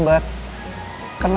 gue nyerah juga